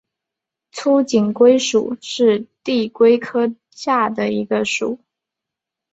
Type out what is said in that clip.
粗颈龟属是地龟科下的一个属。